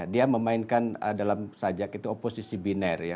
dia memainkan dalam sajak itu oposisi binar